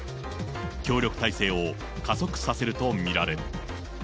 協力態勢を加速させると見られる。